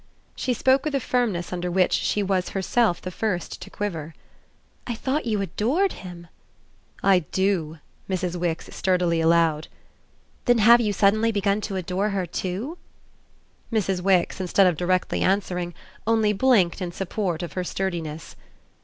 She spoke with a firmness under which she was herself the first to quiver. "I thought you 'adored' him." "I do," Mrs. Wix sturdily allowed. "Then have you suddenly begun to adore her too?" Mrs. Wix, instead of directly answering, only blinked in support of her sturdiness.